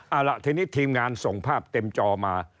เอาล่ะทีนี้ทีมงานส่งภาพเต็มจอมา